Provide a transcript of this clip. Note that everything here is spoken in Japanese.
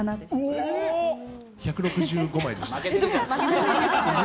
うおー！１６５枚でした。